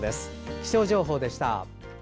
気象情報でした。